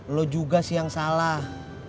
lo juga sih yang salah